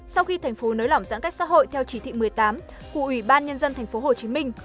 sau khi thành phố nới lỏng giãn cách xã hội theo chỉ thị một mươi tám của ủy ban nhân dân tp hcm